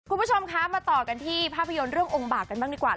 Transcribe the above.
คุณผู้ชมคะมาต่อกันที่ภาพยนตร์เรื่ององค์บากกันบ้างดีกว่า